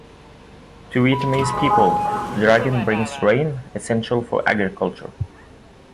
To Vietnamese people, the dragon brings rain, essential for agriculture.